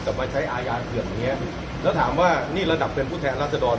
มาใช้อาญาเผื่อนอย่างเงี้ยแล้วถามว่านี่ระดับเป็นผู้แทนรัศดร